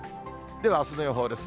では、あすの予報です。